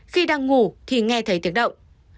khi đang ngủ thì nghe thấy tiếng động